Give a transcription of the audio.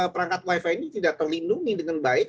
perangkat wifi ini tidak terlindungi dengan baik